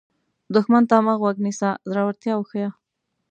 دښمن ته مه غوږ نیسه، زړورتیا وښیه